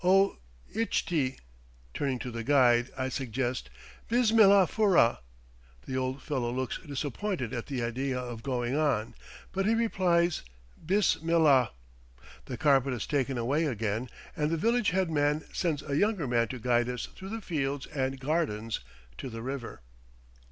"O, Idshtee" Turning to the guide, I suggest: "Bismillah Furrah." The old fellow looks disappointed at the idea of going on, but he replies, "Bismillah." The carpet is taken away again, and the village headman sends a younger man to guide us through the fields and gardens to the river.